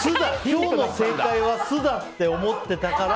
今日の正解はって思ってたから。